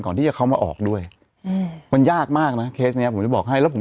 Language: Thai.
ที่เขามาออกด้วยอืมมันยากมากนะเคสเนี้ยผมจะบอกให้แล้วผม